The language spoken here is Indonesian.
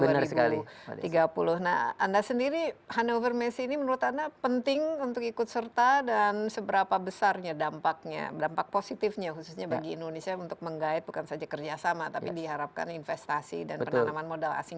nah anda sendiri hannover messe ini menurut anda penting untuk ikut serta dan seberapa besarnya dampaknya dampak positifnya khususnya bagi indonesia untuk menggait bukan saja kerjasama tapi diharapkan investasi dan penanaman modal asing